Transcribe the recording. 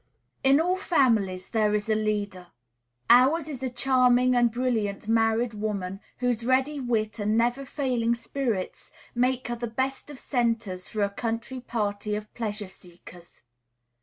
In all families there is a leader. Ours is a charming and brilliant married woman, whose ready wit and never failing spirits make her the best of centres for a country party of pleasure seekers.